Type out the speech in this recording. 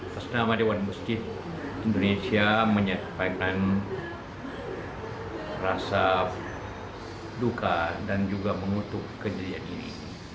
pesna madawan musjid indonesia menyampaikan rasa duka dan juga mengutuk kejadian ini